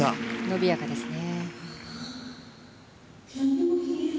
伸びやかですね。